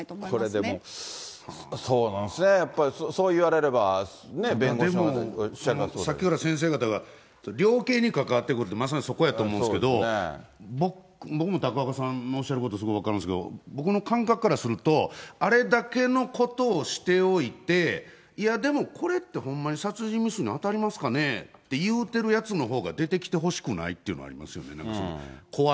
これでも、そうなんですね、やっぱりそう言われれば、さっきから先生方が、量刑に関わってくると、まさにそこやと思うんですけれども、僕も高岡さんのおっしゃること、すごく分かるんですけど、僕の感覚からすると、あれだけのことをしておいて、いやでも、これってほんまに殺人未遂に当たりますかねって言うてるやつのほうが出てきてほしくないっていうのありますよね。